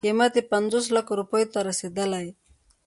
قیمت یې پنځوس لکو روپیو ته رسېدله.